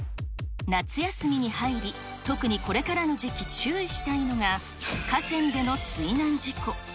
夏休みに入り、特にこれからの時期、注意したいのが、河川での水難事故。